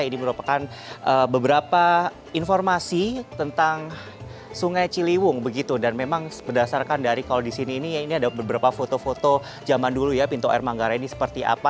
ini merupakan beberapa informasi tentang sungai ciliwung begitu dan memang berdasarkan dari kalau di sini ini ada beberapa foto foto zaman dulu ya pintu air manggarai ini seperti apa